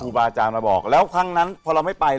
ครูบาอาจารย์มาบอกแล้วครั้งนั้นพอเราไม่ไป